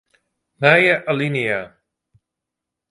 Nije alinea.